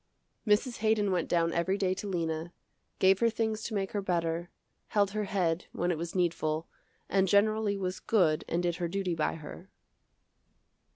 Mrs. Haydon went down every day to Lena, gave her things to make her better, held her head when it was needful, and generally was good and did her duty by her.